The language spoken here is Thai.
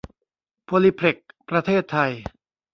โพลีเพล็กซ์ ประเทศไทย